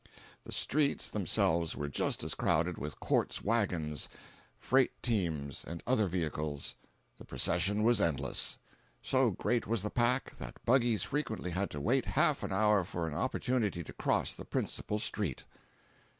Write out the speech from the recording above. The streets themselves were just as crowded with quartz wagons, freight teams and other vehicles. The procession was endless. So great was the pack, that buggies frequently had to wait half an hour for an opportunity to cross the principal street.